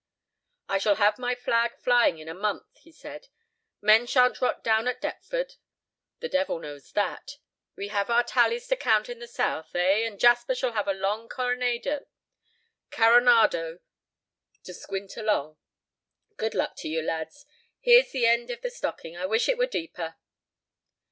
"I shall have my flag flying in a month," he said; "men sha'n't rot down at Deptford—the devil knows that. We have our tallies to count in the South, eh, and Jasper shall have a long caronado to squint along. Good luck to you, lads. Here's the end of the stocking. I wish it were deeper."